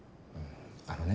あのね。